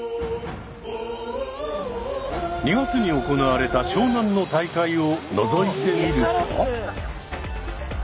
２月に行われた湘南の大会をのぞいてみると。